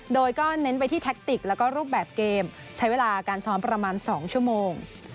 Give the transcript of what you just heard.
โดยก็เน้นไปที่แท็กติกแล้วก็รูปแบบเกมใช้เวลาการซ้อมประมาณ๒ชั่วโมง